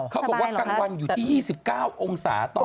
เขาบอกว่ากลางวันอยู่ที่๒๙องศาต้อง